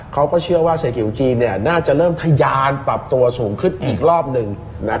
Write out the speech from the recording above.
เขาก็เชื่อว่าเศรษฐกิจของจีนน่าจะเริ่มทะยานปรับตัวสูงขึ้นอีกรอบหนึ่ง